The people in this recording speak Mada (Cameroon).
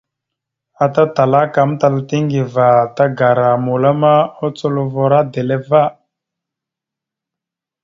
Ata Talaka amtal ata Aŋgiva tagara mula ma, ocolovura a dezl ava.